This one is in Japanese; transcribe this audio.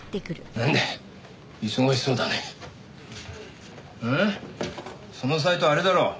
ああそのサイトあれだろ？